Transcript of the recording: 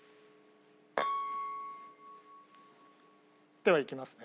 ではいきますね。